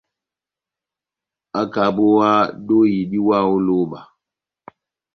ákabówáhá dóhi diwáha ó lóba